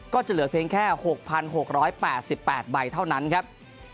ก็จะเหลือเพียงแค่๖๖๘๘ใบเท่านั้นครับ